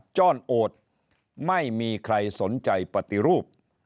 จ้อนโอดไม่มีใครสนใจปฏิรูป